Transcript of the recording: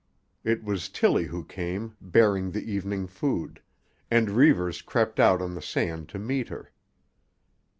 It was Tillie who came, bearing the evening food, and Reivers crept out on the sand to meet her.